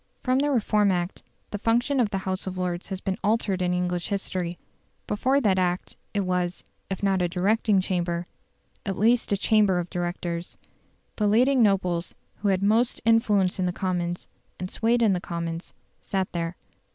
From the Reform Act the function of the House of Lords has been altered in English history. Before that Act it was, if not a directing Chamber, at least a Chamber of Directors. The leading nobles, who had most influence in the Commons, and swayed the Commons, sat there.